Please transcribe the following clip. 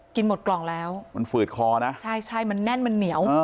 หมดกล่องแล้วมันฝืดคอนะใช่ใช่มันแน่นมันเหนียว